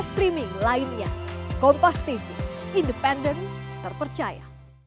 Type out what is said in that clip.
streaming lainnya kompas tv independen terpercaya